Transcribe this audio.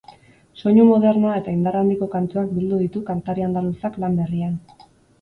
Soinu modernoa eta indar handiko kantuak bildu ditu kantari andaluzak lan berrian.